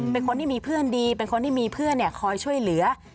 เป็นคนที่มีเพื่อนดีเป็นคนที่มีเพื่อนคอยช่วยเหลือ